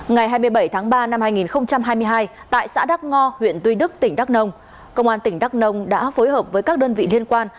ngày hai mươi bảy tháng ba năm hai nghìn hai mươi hai tại xã đắk ngo huyện tuy đức tỉnh đắk nông công an tỉnh đắk nông đã phối hợp với các đơn vị liên quan